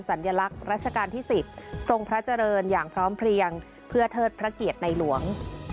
สัญลักษณ์รัชกาลที่๑๐ทรงพระเจริญอย่างพร้อมเพลียงเพื่อเทิดพระเกียรติในหลวง